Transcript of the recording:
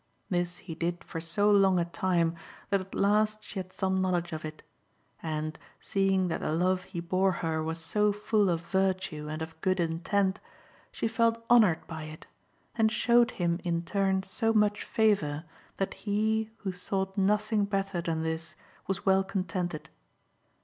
This he did for so long a time that at last she had some knowledge of it ; and, seeing that the love he bore her was so full of virtue and of good intent, she felt honoured by it, and showed him in turn so much favour that he, who sought nothing better than this, was well contented.